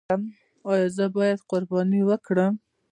ایا زه باید قرباني وکړم؟